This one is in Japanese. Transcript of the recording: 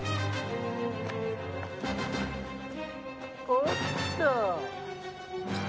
おっと！